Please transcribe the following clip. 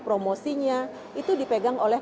promosinya itu dipegang oleh